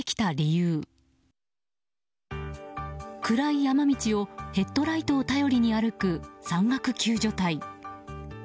暗い山道をヘッドライトを頼りに歩く山岳救助隊。